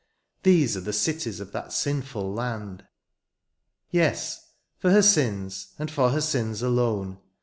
These are the cities of that sinful land ! Yes, for her sins, and for her sins alone.